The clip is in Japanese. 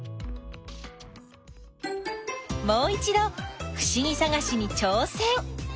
もういちどふしぎさがしにちょうせん！